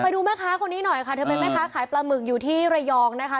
ดูแม่ค้าคนนี้หน่อยค่ะเธอเป็นแม่ค้าขายปลาหมึกอยู่ที่ระยองนะคะ